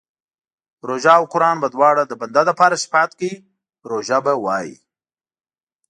روژه او قران به دواړه د بنده لپاره شفاعت کوي، روژه به وايي